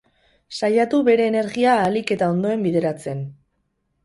Saiatu bere energia ahalik eta ondoen bideratzen.